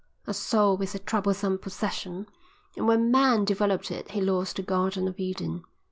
A soul is a troublesome possession and when man developed it he lost the Garden of Eden."